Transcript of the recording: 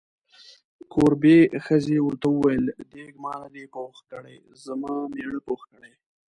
کوربې ښځې ورته وویل: دیګ ما نه دی پوخ کړی، زما میړه پوخ کړی.